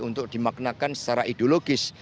untuk dimaknakan secara ideologis